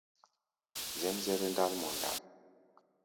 Zɛ́mzɛ́rɛ́ ndál mɔ ndǎl.